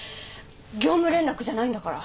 業務連絡じゃないんだから。